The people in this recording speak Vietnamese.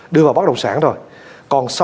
đưa vào bác động sản rồi còn sáu